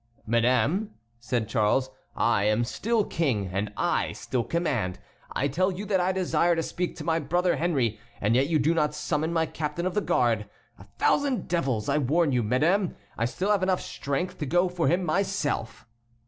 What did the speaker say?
"Madame," said Charles, "I am still King; and I still command. I tell you that I desire to speak to my brother Henry and yet you do not summon my captain of the guard. A thousand devils! I warn you, madame, I still have strength enough to go for him myself."